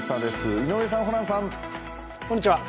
井上さん、ホランさん。